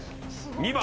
２番。